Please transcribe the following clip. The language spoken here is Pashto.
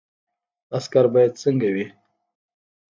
عسکر باید څنګه وي؟